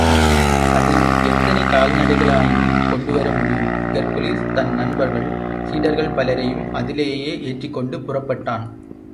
அதில் எத்தனை கால்நடைகளாயினும் கொண்டுவர முடியும், ஹெர்க்குலிஸ் தன் நண்பர்கள், சீடர்கள் பலரையும் அதிலேயே ஏற்றிக் கொண்டு புறப்பட்டான்.